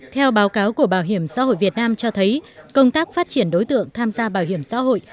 theo báo cáo của bảo hiểm xã hội việt nam cho thấy công tác phát triển đối tượng tham gia bảo hiểm xã hội